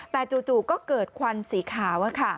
แต่จู่ก็เกิดควันสีขาว